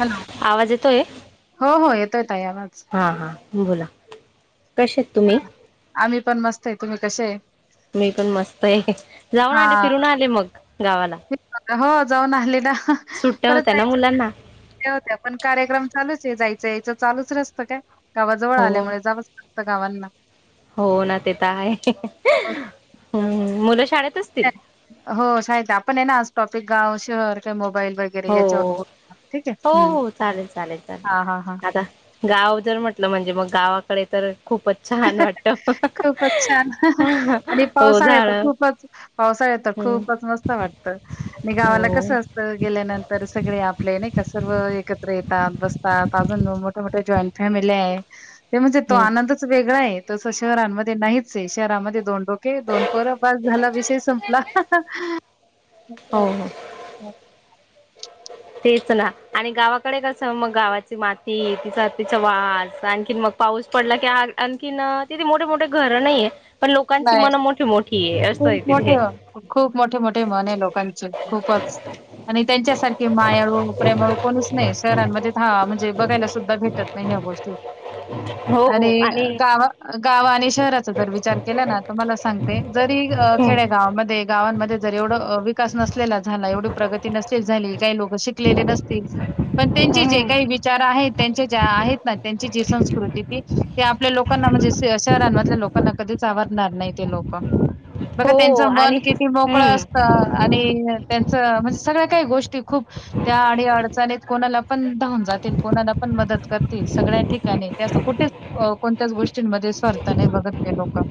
Hello आवाज येतोय? हो हो येतोय ताई आवाज हा हा बोला कशे आहेत तुम्ही? आम्ही पण मस्त आहे तुम्ही कसे आहे? मी पण मस्त आहे जाऊन आले हा फिरून आले मग गावाला हो जाऊन आले ना सुट्टया परत होत्या ना जायच्या मुलांना होत्या पण कार्यक्रम चालूच आहे जायचं आहे यायचं चालूच असतं काय गावाजवळ हो आल्यामुळे जाव फक्त गावांना हो ना ते तर आहे हम मुलं शाळेत असतील? हो शाळेत आपण आहे ना आज टॉपिक गाव शहर काय मोबाईल वगैरे हो याच्यावर बोल हो हो चालेल चालेल हा हा हा चालेल आता गाव जर म्हटलं म्हणजे मग गावाकडे तर खूपच छान वाटतं खूपच छान. आणि हो पावसाळ्यात तर झाडं खूपच पावसाळ्यात तर खूपच मस्त वाटतं आणि गावाला हो कसं असतं? तिथ गेल्यानंतर सगळे आपले नाही का सर्व एकत्र येतात बस - तात अजुन मोठ -मोठ्या जॉईंट फॅमेल्याय ते म्हणजे तो हम्म, आनंदच वेगळय तस शहरांमध्ये नाहीचय शहरामध्ये दोन डोके दोन पोरं बस झाला विषय संपला [unintelligible] हो हो तेच ना आणि गावाकडे कसं मग गावाची माती तिचा तिचा वास आणखीन मग पाऊस पडला की आण - आणखीन तिथे मोठे मोठे घरं नाहीय पण लोकांची नाही. मन मोठी मोठीय असय खूप तिथे मोठं खूप मोठे मोठे मन आहे लोकांचे खूपच. आणि त्यांच्यासारखे मायाळू प्रेमाळू कोणीच नाही आहे शहरांमध्ये हा म्हणजे बघायला सुद्धा भेटत नाही. महिन्या गोष्टी आणि गावा गाव आणि शहराचा जर विचार केलाना तुम्हाला सांगते जरी अ खेड्या गावामध्ये गावांमध्ये जर एवढ विकास नस लेला झाला एवढी प्रगती नसतेल झाली काही लोक शिकलेले नसतील पण त्यांचे जे काही वि चार आहेत त्यांच्या ज्या आहेत ना त्यांची जी संस्कृती ती ते आपल्या लोकांना म्हणजे श शहरांमधल्या लोकांना कधीच आवडणार नाही ते लोक. बघा हो त्यांचं मन आणि किती मोकळं असतं. हम्म आणि त्यांचं म्हणजे सगळ्या काही गोष्टी खूप त्या अडी अडचणीत कोणाला पण धावून जातील कोणाला पण मदत करतील सगळ्या ठिकाणी ते असं कुठेच अ कोणत्याच गोष्टींमध्ये स्वार्थ नाही बघत ते लोकं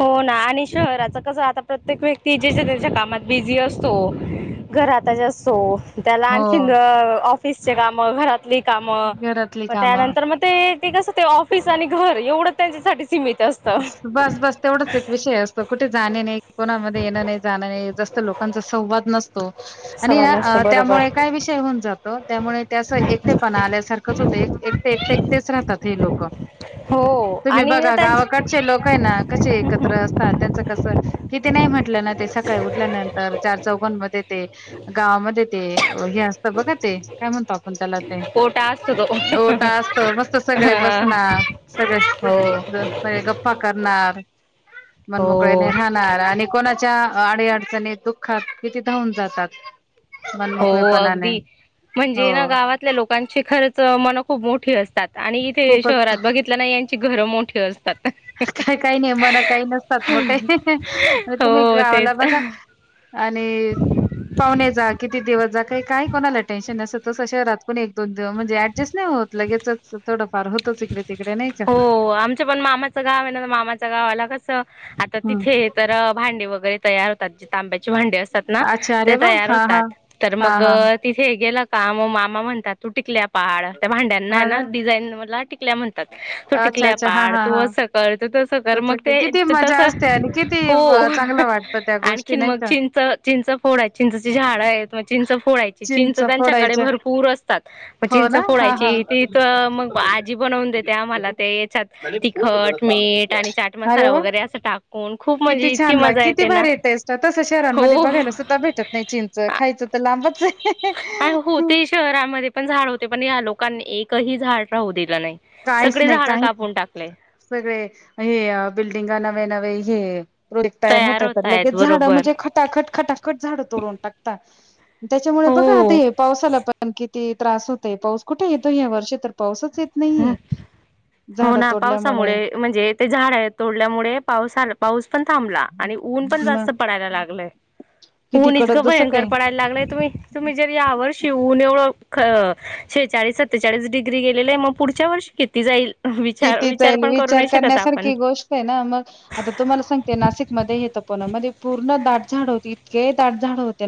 हो ना आणि शहराच कसं आता प्रत्येक व्यक्ती जेच्या त्याच्या कामात बिझी असतो घरातच असो त्याला हो, आणखीन ऑफिसचे कामं घरात ली काम घरातली मग कामं. त्यानंतर मग ते ते कसं ते ऑफिस आणि घर एवढं त्यांच्यासाठी सीमीत अस बस बस. तेवढच एक विषय असतो कुठे जाणे नाही कोणामध्ये येणं नाही जाणं नाही जास्त लोकांचा संवाद नसतो. आणि सवाल नसतो अ बरोबर त्यामुळे का काय विषय होऊन जातो त्यामुळे ते अस एकटेपणा आल्यासारखंच होत एक एकटे एकटे एकटेच राहतात हे लोक. क हो तुम्ही आणि ना बघा त्यां गावाकडचे लोक हे ना कसे एकत्र असतात त्यांचं कस किती नाही म्हटलं ना ते सकाळी उठल्यानंतर चार चौघांमध्ये ते गावामध्ये ते हे असतं बघा ते. काय म्हणतो आपण त्याला ते, कोटा असतो तो ओटा असतो मस्त सगळे हा बसनार. सगळे हो जण सगळे गप्पा करणार मन मोकळे ने हो राह -णार आणि कोणाच्या अडी - अडचणीत दुःखात किती धाऊून जातात. हो मनमोकळेपणाने अगदी हो म्हणजे ना गावात तिथल्या लोकांची खरच मन खूप मोठी असतात आणि इथे खूपच शहरात बघित तल ना यांची घरं मोठीे असतात. काही काही ने मन काही नसतात मोठे तुम्ही हो गावाला तेच बघा आणि पाहुणे जा किती दिवस जा काही काय कोणाला टेन्शन नसत तस शहरात कोणी एक दोन दिव म्हणजे ॲडजस्ट नाही होत. लगेचच थोडं फार होतच इकडे तिकडे नाही का? हो आमच पण मामाचं गाव आहे ना तर मामाच्या गावाला कसं आता हं. तिथे तर भांडे वगैरे तयार -तात जे तांब्याचे भांडे असतात ना अच्छा अरे ते वाह! तयार हां, होतात हां. तर मग हां, हां. तिथे गेलं का मग मामा म्हणतात तू टिकल्या पाड त्या भांड्यांना आहे ना डिझाईनला टिकल्या म्हणतात. तू अच्छा, टिकल्या अच्छा. हां, पाड, हां, तू हां. असं कर, तू तसं कर मग का ते किती मजा तस असते आणि किती हो. अ, चांगलं वाटतं त्या गोष्टी आणखीन नाही मग का? चिंच चिंच फोड आहेत चिंचची झाडं आहेत मग चिंच फोडाय ची चिंच त्यांच्याकडे भरपूर असतात मग हो चिंच ना? फोडाय हां, हां. ची तिथं मग आजी बनवून देत त्या आम्हाला ते याच्यात तिखट मीठ आणि चाट अरे मसाला वाह! वगैरे असं टाक किती छान लाग किती भारी टेस्ट तस हो शहरांमध्ये बघायला सुद्धा भेटत नाही चिं च खायचं तर लांबच आहे होते शहरामध्ये पण झाड होते पण या लोकांनी एकही झाड राहू दिलं नाही. काहीच सगळे नाही झाडं काहीच कापून टाकले सगळे हे बिल्डिंगा नवे नवे हे रिटायर तयार होता तर होत आहेत लगेच झाड बरोबर म्हणजे ख टाकट खटाखट झाडं तोडून टाकता, त्याच्यामुळे बघा आता हो हे पावसाला पण कि ती त्रास होतय पाऊस कुठे येतोय या वर्षी तर पाऊसच येत नाहीये हो झाडं ना तोडल्यामुळे. पावसामुळे म्हणजे ते झाडे तोडल्यामुळे पाऊसाला पाऊस पण थांबला आणि ऊन पण मग जास्त पडायला लागलय, किती ऊन कडक इतकं जसं भयंकर काही पडायला ला लागय त तुम्ही जर यावर्षी ऊन एवढं शेचाळीस सत्तेचाळीस डिग्री गेले आहे मग पुढच्या वर्षी किती जाईल? विचार किती जाईल पण करू विचार नाही शकत आपण करण्यासारखी गोष्ट आहे ना मग. आता तुम्हाला सांगते नाशिकमध्ये हेेत पुना मध्ये पूर्ण दाटझाड होती इतके दाटझाड हो ते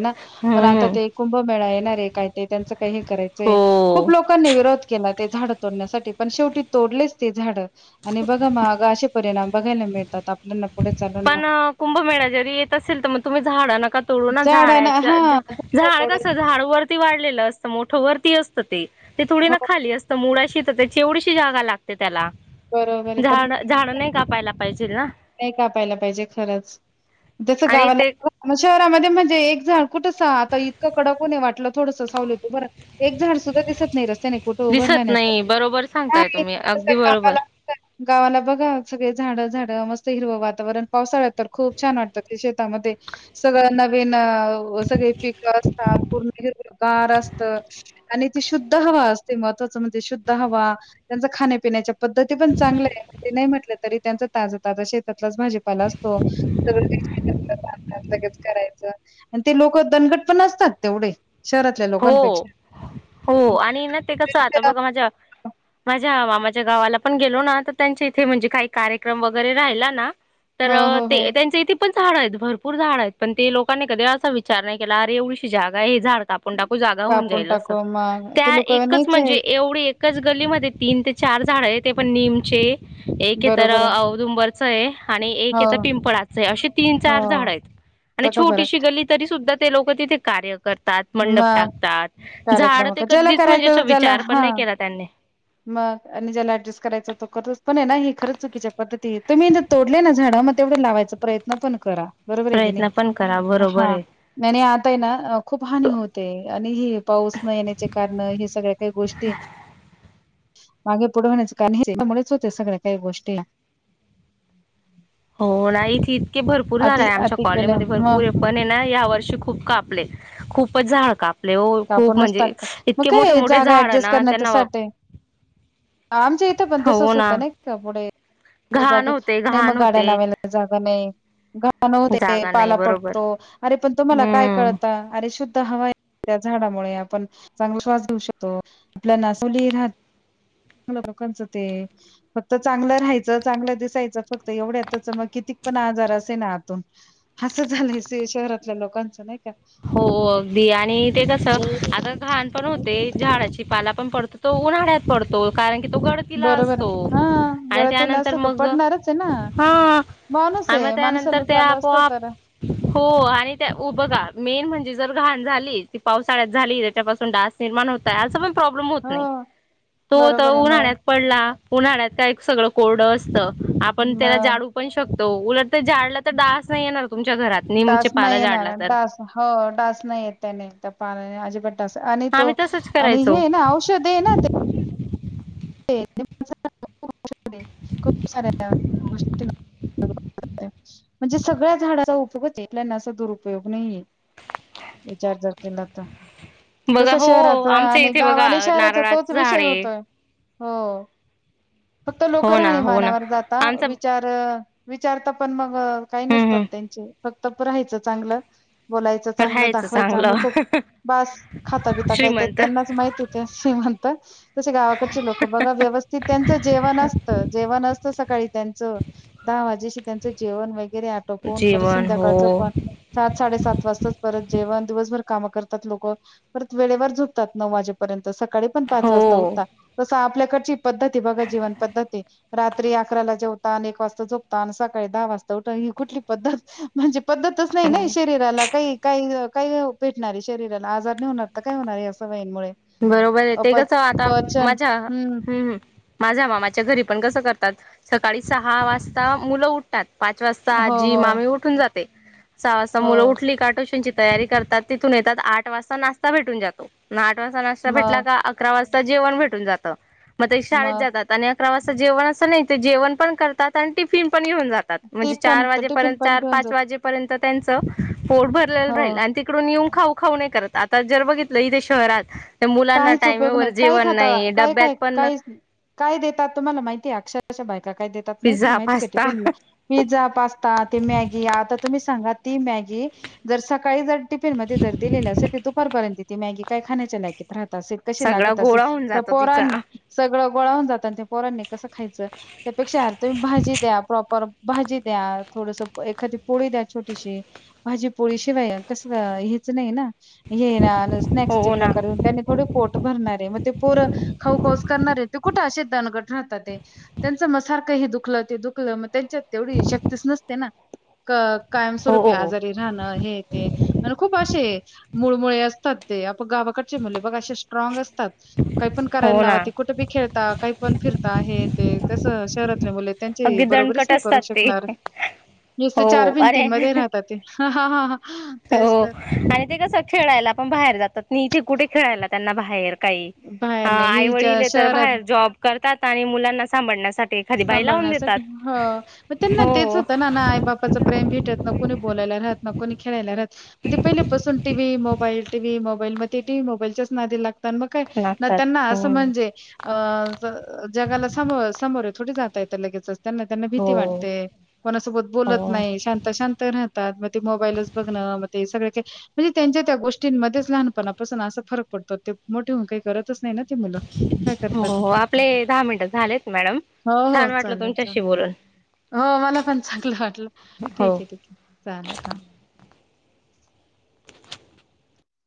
आता हम्म ते कुंभमेळा येणारे काय ते त्यांच काही करायचं खूप हो लोक लोकांनी विरोध केला ते झाड तोडण्यासाठी पण शेवटी तोडलेच ते झाड. आणि बघा मग असे परिणाम बघायला मिळतात आपल्याला. पण कुंभमेळ्या जरी येत असेल तर, मग तुम्ही झाडं नका तोडून झाडांना झाड्याच हा झा झाडं झाड कसं तोडायचं झाड वर किती वाढलेलं असत मोठ वरती असतं ते थोडी हो ना खाली अस मुळाशी तर केवढीशी जागा लागते त्याला बरोबर आहे पण झाड झाड नाही कापायला पाहिजे ना. नाही कापायला पाहिजे खरंच, जसं आणि गावाला ते मग शहरामध्ये म्हणजे एक झाड कुठंस आता इतकं कडक ऊन वाटलं थोडंसं सावलीत हुभ एक झाड सुद्धा दिसत नाही रस्त्याने कुठं उभं दिसत नाही राहण्यासाठी, बरोबर सांगताय नाही तुम्ही अगदी बरोबर कामाला. गावाला बघा सगळे झाडं झाडं मस्त हिरव वातावरण पावसाळ्यात तर खूप छान वाटतं ते शेतामध्ये सगळं नवीन हो सगळे पिकं असतात पूर्ण हिरवं गार असत. आणि ती शुद्ध हवा असते महत्त्वाचं म्हणजे शुद्ध हवा. त्यांच खाण्यापिण्याच्या पद्धती पण चांगल्या आहे ते नाही म्हटलं तरी त्यांच ताज ताज शेतातलाच भाजेपाला असतो, सगळं [unintelligible] लगेच करायचं, आणि ते लोक दणकट पण असतात तेवढे शह हो हो आणि ना ते कसं आजोळ्याच्या माझ्या. माझ्या मामाच्या गावाला पण गेलो ना तर त्यांच्या इथे म्हणजे काही कार्यक्रम वगैरे राहिला ना. तर हो, हो, हो. ते त्यांच इथे पण झाड आहेत भरपूर झाड आहेत पण ते लोकांनी कधी असा विचार नाही केला अर एवढीशी जागा आहे हे झाड काप कापून टाकु जागा होऊन कापून जाईल असं टाकू मग त्या ते लोक एकच नाहीच म्हणजे आहेत एवढी एक एकच गलीमध्ये तीन ते चार झाड आहेत ते पण नीमचे. एक तर अ बरोबर आहे औदुंबरचं आहे आणि एक य हो तर पिंपळाचं आहे अशी तीन हो चार झाडं आहेत. आणि बघा बरं छोटीशी गल्ली तरी सुद्धा ते लोक तिथे कार्य करतात. मंडप मग टाकतात, झाड कार्यक्रम ते का ज्याला कधीच म्हणजे असा विचार पण नही केला त्यांनी. म आणि ज्याला ऍडजस्ट करायच तो, करतो. पण ना हे खरं चुकीच्या पद्धती ये, तुम्ही ज तोडले ना झाडं, म तेवढे लावायचा प्रयत्न पण करा, बरोबर आहे की नाही? प्रयत्न पण करा बरोबर हां. आहे नहीं नही आता ये ना, खूप. हानी होते आणि हे पाऊस न येण्याचे कारण, हे सगळ्या काही गोष्टी मागे पुढे होण्याचं कारण [unintelligible] हे त्यामुळेच होते सगळ्या काही गोष्टी. हो नाही इथं इतके भरपूर झाडं अति ये आमच्या अति कॉलेनि मध्ये केल्या भरपूर पण ने ना, या वर्षी खूप कापले, खूपच झाड काप आपले ओ खूप, कापूनच म्हणजे टाकतात मग इतके काय मोठे-मोठे जागा झाड ऍडजस्ट ना, त्यांना करण्यासाठी आमच्या इथं पण तसच होतं ना ई का, पुढे घाण जागेत होते नाही घाण मग गाडी गाड्या होते लावायला जागा नही. घाण होते, जागा नाही पाला बरोबर पडतो, अरे पण तुम्हाला काय हम्म कळत? अरे शुद्ध हवा त्या झाडामुळे आपण चांगला श्वास घेऊ शकतो, आपल्या ना सुली राहत [unintelligible] लोकांचं ते फक्त चांगलं राहायचं, चांगलं दिसायचं, फक्त एवढ्यातच, मग कितीक पण आजार असे ना आतून. हसं झालंय से-शहरातल्या लोकांचं नही का? हो अगदी आणि ते कसं आता घण पण होते, आणि झाडाची पाला पण पडतो, तो उन्हाळ्यात पडतो, कारण की तो गळ तिला बरोबर असतो आहे. हां, आणि गळतीला त्यानंतर असतो तो मग, पडणारच आहे ना. हां. माणूस आणि मग आहे, त्यानंतर माणसाला ते चालू असतं आपोआप, तर हो आणि त्या उभं ग मेन म्हणजे जर घाण झाली, ती पावसाळ्यात झाली, त्याच्यापासून डास निर्माण होत काय असा पण प्रॉब्लेम हो, नही, तो बरोबर आहे. मग उन्हा्ळ्यात पडला, उन्हाळ्यात काय सगळं कोरड असत, आपण त्याला मग जालू पण शकतो, उलट तें जाल ल, तर डास नही येणार तुमच्या घरात, डास निमच्या नाही पाला जाळला येणार तर.. डास हो डास नही येत त्याने, त्या पाल्याने आजीबात. आणि तो आम्ही तसच आणि करायचो हे ना, औषध ये ना. [unintelligible] खूप साऱ्या गोष्टी. [unintelligible] म्हणजे सगळ्या झाडाचा उपयो [unintelligible] आपल्याना असा दुरुपयोग नही ये, विचार जर केला तर. तस बघा हो शहराचं आमच्या आणि इथे गावा बघा अणि शहराचा, नारळाच तोच झाड विषय आहे होतोय. हो फक्त लोकं हो ना राहणी हो ना मानावर जाता, आमचा विचार तर विचारत पण मग काही हम्म नसतात हम्म त्यांचे, फक्त राहायचं चांगलं. बोलायचं चांगलं, राहायचं दाखवायचं आम्ही चांगलं खूप, बास खाता बिता काय तें श्रीमंत त्यांनाच माहिती. तसे म्हणता, तसे गावाकडचे लोक बघा व्यवस् तीत त्यांचं जेवण असतं, जेवण असतं सकाळी, त्यांचं. दहा वाजेशी त्यांचं जेवण वगैरे आटोपून, परत जीवन हो संध्याकाळचं पण. सात साडेसात वाजताच परत जेवण, दिवसभर कामं करतात लोकं, परत वेळेवर झोपतात, नऊ वाजे पर्यंत, सकाळी पण पाच हो वाजता उठता, तसं आपल्याकडची पद्धती बघा, जीवन पद्धती रात्री अकराला जेवता आणि एक वाजता झोपता अन सकाळी दहा वाजता उठ, ही कुठली पद्धत?, म्हणजे पद्धतच नही ना हो. शरीराला, कही कही काही भेटणारे शरीराला, आजार नही होणार तर काय होणार? या सवईंमुळे. बरोबर ये ते कस, आता माझा, हम्म हम्. माझ्या मामाच्या घरी पण कसं करतात, सकाळी सहा वाजता मुलं उट तात, पाच वाजता हो आज्जी हो मामी उठून जाते, सहा वाजता मुलं हो उठली का ट्युशनची तयारी करतात, तिथून येतात, आठ वाजता नाश्ता भेटून जातो. ता भेटला मग का अकरा वाजता जेवण भेटून जात मग ते शाळेत मग जातात. आणि अकरा वाजता जेवण असं नाही ते जेवण पण करतात आणि टिफिन पण घेऊन जात टिफन चर वाजे टिफिन पर्यत पण घेऊन पाच जात वाजे पर्यत त्यांच पोट भर रा हो इकडून येऊन खाऊ खाऊ नाही करत आता जर बघितलं इथे शहरात मुलांना काहीच उपयोग टाईमेवर नाही काय जेवण खाता नाही काय डब्यात काय पण काहीच नाही. काय देतात तुम्हाला माहिती अक्षरशच्या बायका काय देतात माहिती पिझ्झा माहिती काे पास्ता पिनला पिझ्झा, पास्ता ती मॅगी आता तुम्ही सांगा ती मॅगी जर सकाळी जर टिफिन मध्ये जर दिलेलं असेल तर दुपारपर्यंत ती मॅगी काय खाण्याच्या लायकीत राहत असेल. कशी सगळा लागत असेल गोळा होऊन त्या जातो तिचा पोरां सगळं गोळावून जात आणि त्या पोरांनी कसं खायचं. त्यापेक्षा अर तुम्ही भाजी द्या प्रॉपर भाजी द्या थोडस एखादी पोळी द्या छोटीशी. भाजीपोळी शिवाय कस हेच नाही ना हे स्नॅक्सचे हो ना प्रकार आणि थोडे पोट भरणारे मग ते पूर खाऊखऊस करणारे ते कुठे असे दणगट राहतात ते त्यांचं मसारखंही दुखलं ते दुखलं मग त्यांच्या तेवढी शक्तीच नसते ना हो कायमस्वरूपी आजारी ह ना हे ते म्ह खूप असे मुळ मुळे असतात ते आप गावाकडचे मुले बघ असे स्ट्रॉंग असतात. काही पण करायला हो लाव ना त कुठे बी खेळता काही पण फिरता आहे ते तसं शहरातले मुले त्यां अगदी बरोबरीच दणकट नाही करू असतात ते शकणार नुसते हो चार अरे भिंतीन मध्ये राहतात. हा हा हा तेच हो तर आणि ते कसं खेळायला पण बाहेर जातात नाही इथे कुठे खेळायला त्यांना बाहेर काही बाहेर नाही आई हि वडील तर शहरात बाहेर जॉब करतात आणि मुलांना सांभण्यासाठी सांभाळण्यासाठी ह मग त्यांना तेच हो होतं ना ना आई बापाच प्रेम भेटत न क कोणी बोलायला राहात न कोणी खेळायला राहत. म ते पहिल्यापासून टीव्ही, मोबाईल, टीव्ही, मोबाईल मग ते टीव्ही मोबाईलच नादी लागतात म का लागतात त्यांना असं हम्म म्हणजे अ ज जगाला सम समोर थोडी जाता येत तर लगेच त्याना त्यांना भीती हो वाटते. कोणासोबत हो बोलत नाही शांत शांत राहतात मग ते मोबाईलच बघणं मग ते सगळ का म्हणजे त्यांच्या त्या गोष्टींमध्येच लहानपणापासून असा फरक पडतो ते मोठे होऊन काही करतच नाही ना ती मुलं. काय हो करतात ते? हो आपले दहा मिनिट झालेच मॅडम. हो हो छान वाटलं चाले तुमच्याशी चाले बोलून हो मला पण चांगलं वाटलं ठीक हो आहे ठीक आहे. चालेल ह.